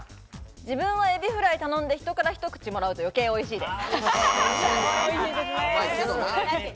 自分はエビフライ頼んで、人から一口もらうと余計おいしいです。